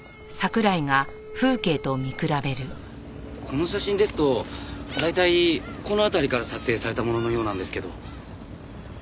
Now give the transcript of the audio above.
この写真ですと大体この辺りから撮影されたもののようなんですけど。